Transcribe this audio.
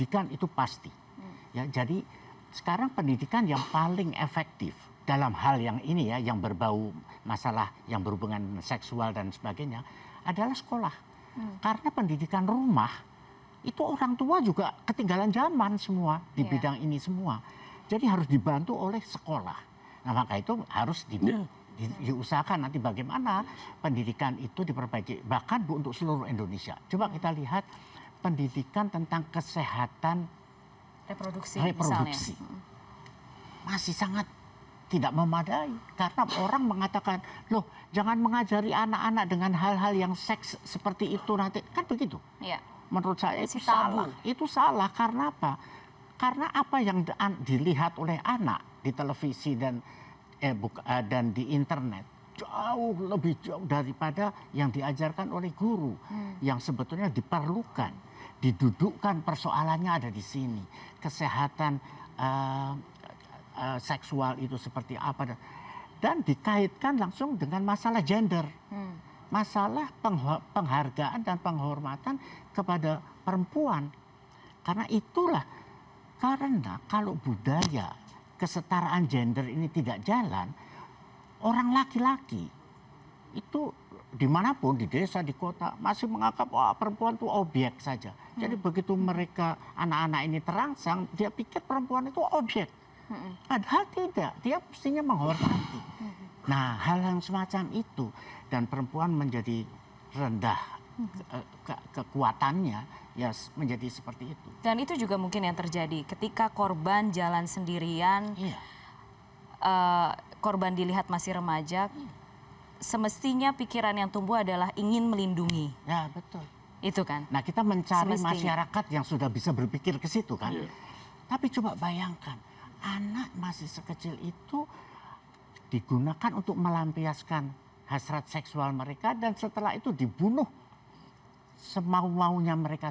kalau kami dari kepolisian menerjukan personil tentunya tidak bisa kami menetap di sana mbak